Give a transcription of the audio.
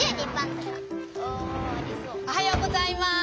おはようございます！